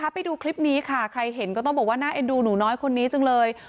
ไปดูคลิปนี้ค่ะใครเห็นก็ต้องบอกว่าน่าเอ็นดูหนูน้อยคนนี้จังเลย